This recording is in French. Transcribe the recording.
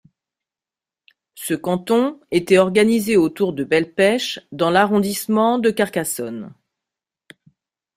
Ce canton était organisé autour de Belpech dans l'arrondissement de Carcassonne.